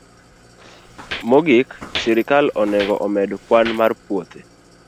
Mogik, sirkal onego omed kwan mar puothe